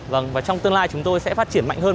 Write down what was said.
vâng và trong tương lai chúng tôi sẽ phát triển mạnh hơn